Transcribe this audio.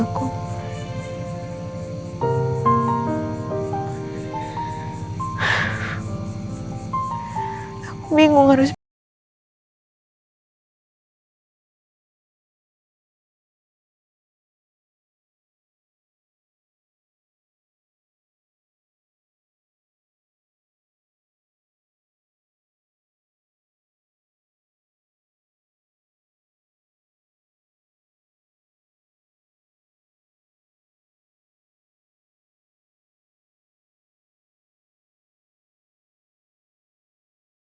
aku takut mama ragu lagi sama aku mas